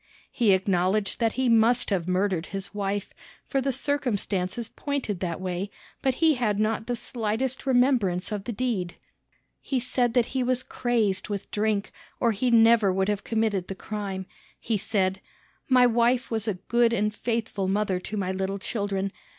He acknowledged that he must have murdered his wife, for the circumstances pointed that way, but he had not the slightest remembrance of the deed. He said he was crazed with drink, or he never would have committed the crime. He said: "My wife was a good and faithful mother to my little children.